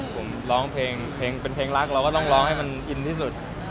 ผมร้องเพลงเพลงเป็นเพลงรักเราก็ต้องร้องให้มันอินที่สุด